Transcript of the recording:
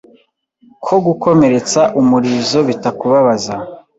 Ko gukomeretsa umurizo bitakubabaza